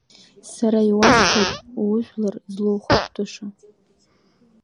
Сара иуасҳәоит ужәлар злоухәышәтәыша.